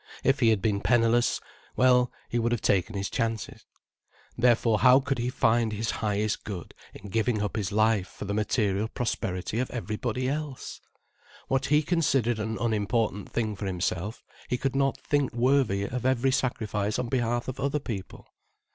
If he had been penniless—well, he would have taken his chances. Therefore how could he find his highest good in giving up his life for the material prosperity of everybody else! What he considered an unimportant thing for himself he could not think worthy of every sacrifice on behalf of other people.